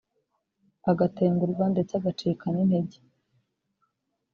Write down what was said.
agatengurwa ndetse agacika n’intege